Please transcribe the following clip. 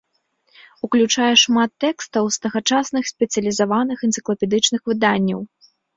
Уключае шмат тэкстаў з тагачасных спецыялізаваных энцыклапедычных выданняў.